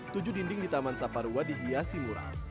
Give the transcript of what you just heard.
tujuh dinding di taman saparwa dihiasi mural